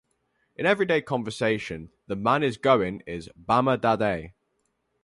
In everyday conversation 'the man is going' is "bama dhaday".